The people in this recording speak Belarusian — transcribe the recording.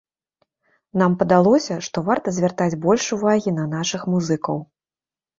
Нам падалося, што варта звяртаць больш увагі на нашых музыкаў.